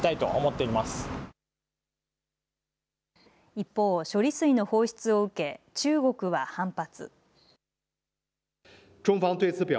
一方、処理水の放出を受け中国は反発。